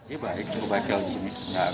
ini baik cukup baik ya